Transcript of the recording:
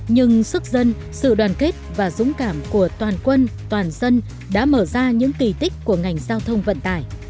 nhưng sức dân sự đoàn kết và dũng cảm của toàn quân toàn dân đã mở ra những kỳ tích của ngành giao thông vận tải